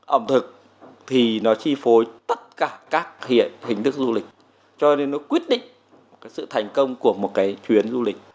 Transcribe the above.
ẩm thực thì nó chi phối tất cả các hình thức du lịch cho nên nó quyết định cái sự thành công của một cái chuyến du lịch